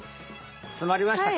つまりましたか？